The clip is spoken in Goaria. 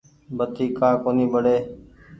بتي ڪآ ڪونيٚ ٻڙي ۔